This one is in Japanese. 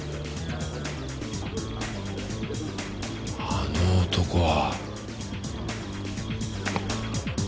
あの男は。